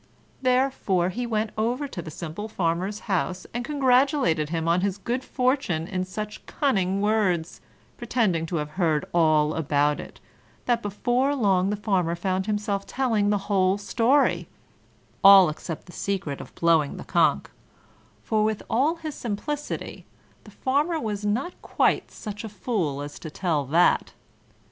Therefore he went over to the simple Farmer's house, and congratulated him on his good fortune in such cunning words, pretending to have heard all about it, that before long the Farmer found himself telling the whole story all except the secret of blowing the conch, for, with all his simplicity, the Farmer was not quite such a fool as to tell that.